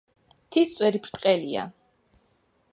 მთის წვერი ბრტყელია.